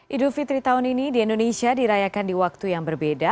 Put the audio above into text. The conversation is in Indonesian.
idul fitri tahun ini di indonesia dirayakan di waktu yang berbeda